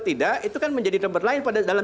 tidak itu kan menjadi nomor lain pada dalam